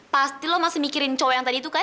pasti lo masih mikirin cowok yang tadi itu kan